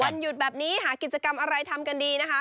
หยุดแบบนี้หากิจกรรมอะไรทำกันดีนะคะ